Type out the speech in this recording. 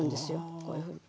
こういうふうに。